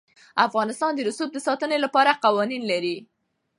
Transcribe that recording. افغانستان د رسوب د ساتنې لپاره قوانین لري.